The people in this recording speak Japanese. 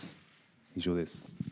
以上です。